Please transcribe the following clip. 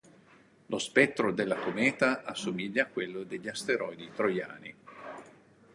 Lo spettro della cometa assomiglia a quello degli asteroidi troiani.